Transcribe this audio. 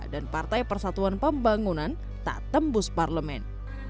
dan partai persatuan pembangunan tak tembus parlemen